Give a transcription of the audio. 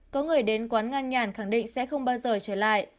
có người đến quán nga nhản khẳng định sẽ không bao giờ trở lại